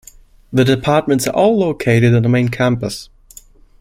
The departments are all located on the main campus.